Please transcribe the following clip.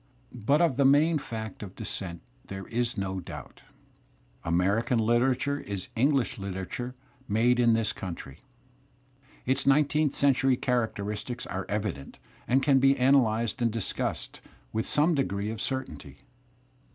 But of the main fact of descent there is no doubt. > American Uterature Is English literature made in this . country. Its nineteenth century characteristics are evident and can be analyzed and discussed with some degree of certainty.